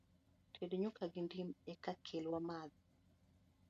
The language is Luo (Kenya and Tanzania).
Ted nyuka gi dim eka ikel wamadhi.